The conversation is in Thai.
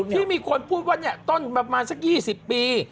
ที่มีคนพูดว่าเนี่ยต้นประมาณสัก๒๐ปี